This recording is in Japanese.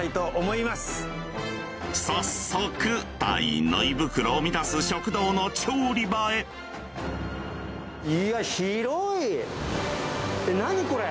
早速隊員の胃袋を満たす食堂の調理場へ何これ！